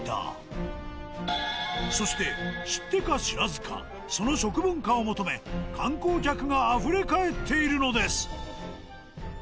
そして知ってか知らずかその食文化を求め観光客があふれかえっているのです。